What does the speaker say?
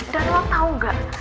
dan lo tau gak